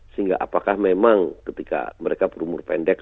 sehingga apakah memang ketika mereka berumur pendek